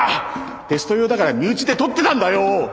テスト用だから身内で撮ってたんだよ！